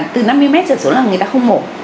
từ năm mươi m dần số là người ta không mổ